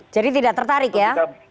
jadi tidak tertarik ya